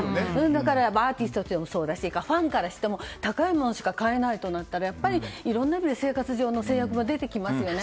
だから、アーティストとしてもそうだし、ファンからしても高いものしか買えないとなったら生活上の制約が出てきますよね。